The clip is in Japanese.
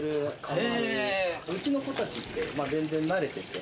うちの子たちって全然なれてて。